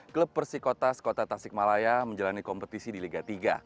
klub persikotas kota tasikmalaya menjalani kompetisi di liga tiga